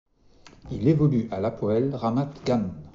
Il évolue à l'Hapoël Ramat Gan.